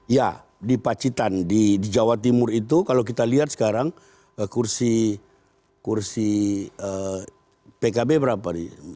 ya di pacitan di jawa timur itu kalau kita lihat sekarang kursi pkb berapa